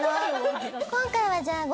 今回はじゃあ。